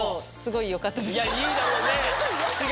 いいだろうね。